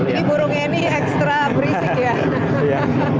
ini burung ini ekstra berisik ya